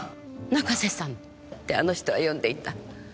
「ナカセさん」ってあの人は呼んでいた。